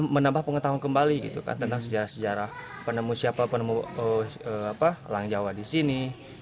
menambah pengetahuan kembali tentang sejarah sejarah penemu siapa penemu langjawa di sini